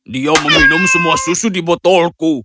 dia meminum semua susu di botolku